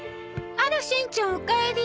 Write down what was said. あらしんちゃんおかえり。